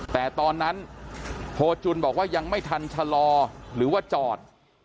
แต่ตอนนั้นโพจุลบอกว่ายังไม่ทันชะลอหรือว่าจอด